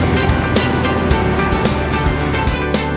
terima kasih mas